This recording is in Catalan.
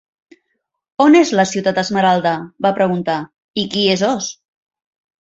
"On és la Ciutat Esmeralda?", va preguntar; "i qui és Oz?"